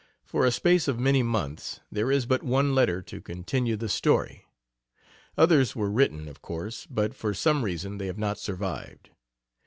For a space of many months there is but one letter to continue the story. Others were written, of course, but for some reason they have not survived.